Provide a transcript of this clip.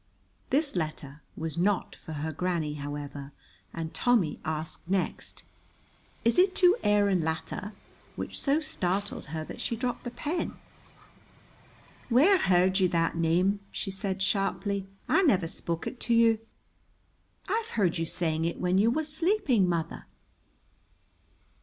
This letter was not for her granny, however, and Tommy asked next, "Is it to Aaron Latta?" which so startled her that she dropped the pen. "Whaur heard you that name?" she said sharply. "I never spoke it to you." "I've heard you saying it when you was sleeping, mother."